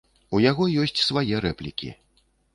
У яго ёсць свае рэплікі.